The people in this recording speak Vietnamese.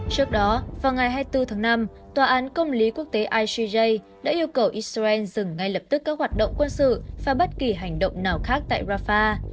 trước đó vào ngày hai mươi bốn tháng năm tòa án công lý quốc tế icj đã yêu cầu israel dừng ngay lập tức các hoạt động quân sự và bất kỳ hành động nào khác tại rafah